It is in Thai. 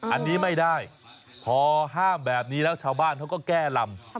อันนี้ไม่ได้พอห้ามแบบนี้แล้วชาวบ้านเขาก็แก้ลำ